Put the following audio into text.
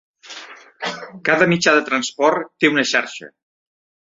Cada mitjà de transport té una xarxa.